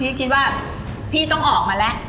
คิดว่าพี่ต้องออกมาแล้ว